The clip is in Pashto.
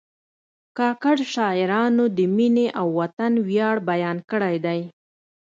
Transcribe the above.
کاکړ شاعرانو د مینې او وطن ویاړ بیان کړی دی.